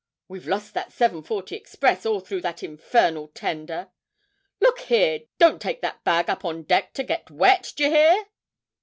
'We've lost that 7.40 express all through that infernal tender!' 'Look here, don't take that bag up on deck to get wet, d'ye hear?'